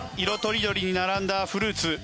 色とりどりに並んだフルーツ。